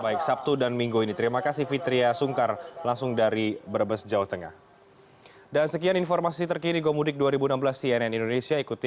baik sabtu dan minggu ini terima kasih fitriah sungkar langsung dari brebes jawa tengah